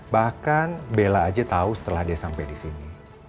bahkan bella aja tahu setelah dia sampai di sini